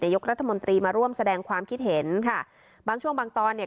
ยกรัฐมนตรีมาร่วมแสดงความคิดเห็นค่ะบางช่วงบางตอนเนี่ย